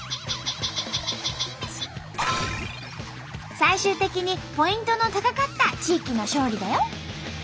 最終的にポイントの高かった地域の勝利だよ。